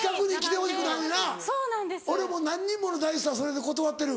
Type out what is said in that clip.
俺も何人もの大スターそれで断ってる。